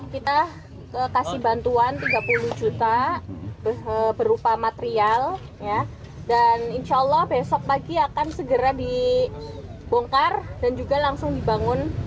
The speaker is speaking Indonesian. kita kasih bantuan tiga puluh juta berupa material dan insya allah besok pagi akan segera dibongkar dan juga langsung dibangun